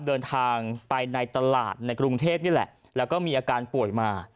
เดินทางไปในตลาดในกรุงเทพนี่แหละแล้วก็มีอาการป่วยมา